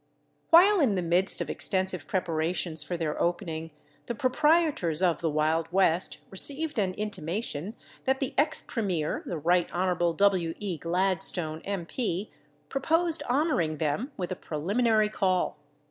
While in the midst of extensive preparations for their opening, the proprietors of the Wild West received an intimation that the ex premier, the Rt. Hon. W. E. Gladstone, M. P., proposed honoring them with a preliminary call.